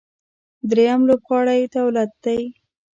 درېیم لوبغاړی دولت دی.